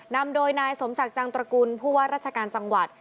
นำโดยนายสมศักดิ์จังตระกุลผู้ว่าราชการจังหวัด